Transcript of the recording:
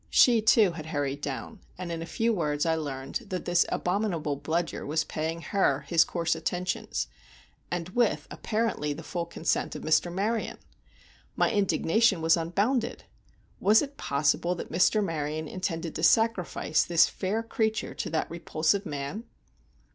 She, too, had hurried down, and in a few words I learned that this abominable Bludyer was paying her his coarse attentions, and with, apparently, the full consent of Mr. Maryon. My indignation was unbounded. Was it possible that Mr. Maryon intended to sacrifice this fair creature to that repulsive man?